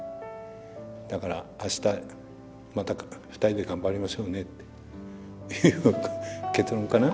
だからあしたまた２人で頑張りましょうねっていう結論かな。